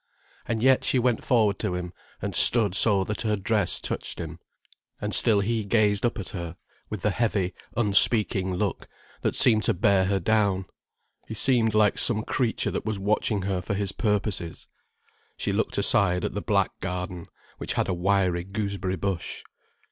And yet she went forward to him and stood so that her dress touched him. And still he gazed up at her, with the heavy, unspeaking look, that seemed to bear her down: he seemed like some creature that was watching her for his purposes. She looked aside at the black garden, which had a wiry goose berry bush.